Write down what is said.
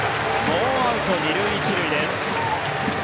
ノーアウト２塁１塁です。